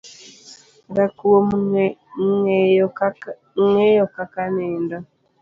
Rakuom ngeyo kaka nindo